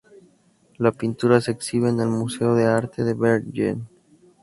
La pintura se exhibe en el museo de arte de Bergen.